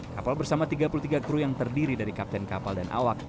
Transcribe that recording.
kapal bersama tiga puluh tiga kru yang terdiri dari kapten kapal dan awak